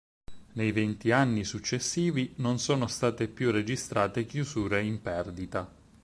Nei venti anni successivi, non sono state più registrate chiusure in perdita.